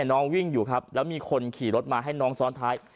น้องวิ่งอยู่ครับแล้วมีคนขี่รถมาให้น้องซ้อนท้าย